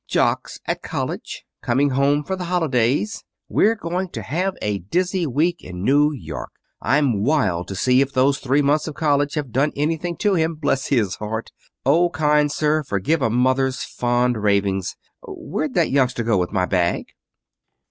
"Jock's at college. Coming home for the holidays. We're going to have a dizzy week in New York. I'm wild to see if those three months of college have done anything to him, bless his heart! Oh, kind sir, forgive a mother's fond ravings! Where'd that youngster go with my bag?"